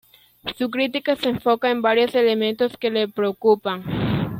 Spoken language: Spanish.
Su crítica se enfoca en varios elementos que le preocupan.